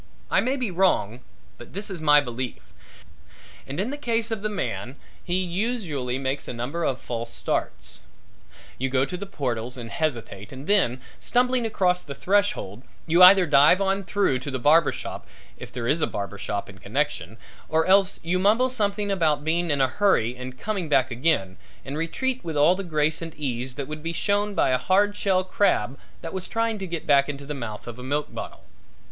I may be wrong but this is my belief. And in the case of the man he usually makes a number of false starts. You go to the portals and hesitate and then, stumbling across the threshold, you either dive on through to the barber shop if there is a barber shop in connection or else you mumble something about being in a hurry and coming back again, and retreat with all the grace and ease that would be shown by a hard shell crab that was trying to back into the mouth of a milk bottle.